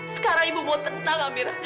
sekarang ibu mau tentang amira